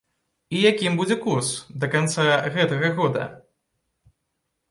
І якім будзе курс да канца гэтага года?